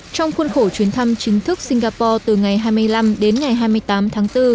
trong khuôn khổ chuyến thăm chính thức singapore từ ngày hai mươi năm đến ngày hai mươi tám tháng bốn